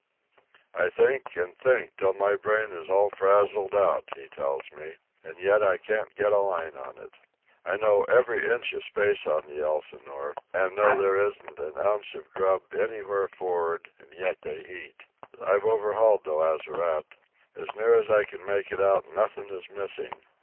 "I think, and think, till my brain is all frazzled out," he tells me; "and yet I can't get a line on it. I know every inch of space on the Elsinore, and know there isn't an ounce of grub anywhere for'ard, and yet they eat! I've overhauled the lazarette. As near as I can make it out, nothing is missing.